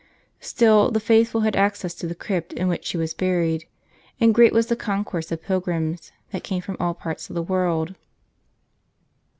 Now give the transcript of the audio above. Still the faithful had access to the crypt in which she was buried ; and great was the concourse of pilgrims, that came from all parts of the world.